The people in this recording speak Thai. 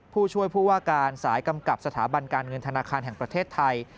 ผู้ช่วยผู้ว่าการสายกำกับสถาบันการเงินธนาคารแห่งประเทศไทย